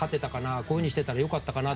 こういうふうにしてたら良かったかなって